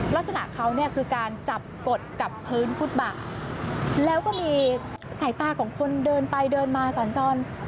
ลักษณะเขาเนี่ยคือการจับกดกับพื้นฟุตบาทแล้วก็มีสายตาของคนเดินไปเดินมาสัญจร